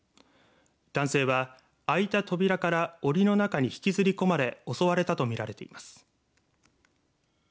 男性は開いた扉からおりの中に引きずり込まれ襲われたと見られています。